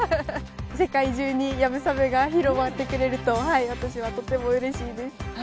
世界中に流鏑馬が広まってくれると私はとても嬉しいです。